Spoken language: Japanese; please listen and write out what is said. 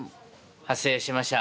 発声してました。